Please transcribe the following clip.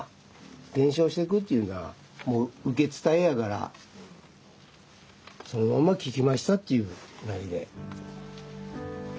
伝承していくっていうのはもう受け伝えやからそのまま聞きましたっていう感じで。